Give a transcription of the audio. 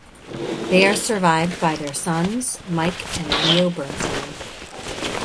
They are survived by their two sons, Mike and Leo Berenstain.